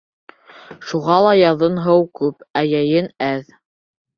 Шуға ла яҙын һыу күп, ә йәйен әҙ.